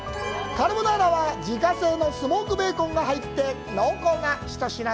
カルボナーラは自家製のスモークベーコンが入り濃厚な一品！